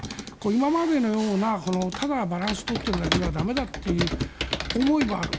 今までのようなただバランスを取っているだけでは駄目だという思いもある。